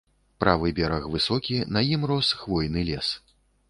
Правы бераг высокі, на ім рос хвойны лес.